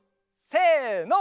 せの。